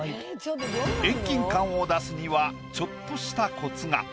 遠近感を出すにはちょっとしたコツが。